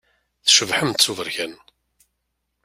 Tcebḥemt s uberkan.